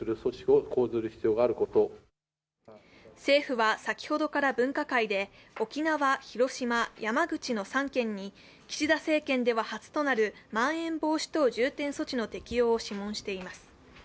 政府は先ほどから分科会で、沖縄、広島、山口の３県に岸田政権では初となるまん延防止等重点措置の適用を諮問しています。